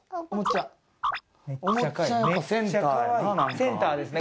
センターですね